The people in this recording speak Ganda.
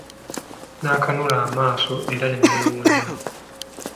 Nakanula amaaso era ne newuunya.